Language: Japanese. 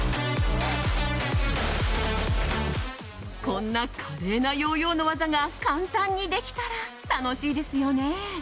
こんな華麗なヨーヨーの技が簡単にできたら楽しいですよね。